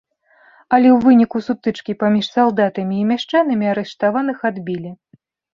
Але ў выніку сутычкі паміж салдатамі і мяшчанамі арыштаваных адбілі.